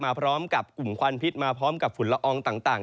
พร้อมกับกลุ่มควันพิษมาพร้อมกับฝุ่นละอองต่าง